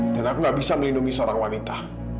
dan aku gak bisa melindungi seorang wanita